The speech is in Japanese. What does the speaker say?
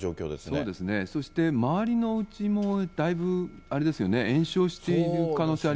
そうですね、そして周りのうちもだいぶ延焼している可能性あ